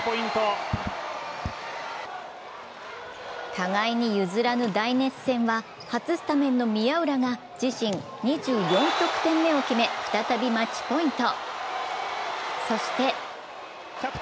互いに譲らぬ大熱戦は初スタメンの宮浦が自身２４得点目を決め、再びマッチポイント。